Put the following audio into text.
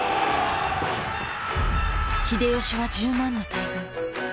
秀吉は１０万の大軍。